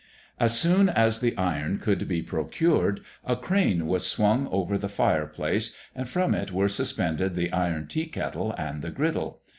As soon as the iron could be procured, a crane was swung over the fire place, and from it were suspended the iron tea kettle and the griddle.